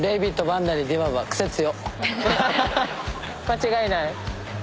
間違いない。